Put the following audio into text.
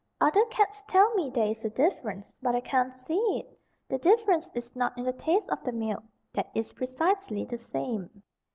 Other cats tell me there is a difference, but I can't see it. The difference is not in the taste of the milk that is precisely the same.